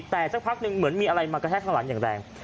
แต่สักพักหนึ่งเหมือนมีอะไรมากระแทกข้างหลังอย่างแรง